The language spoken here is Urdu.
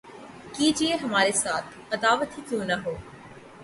کیجئے ہمارے ساتھ‘ عداوت ہی کیوں نہ ہو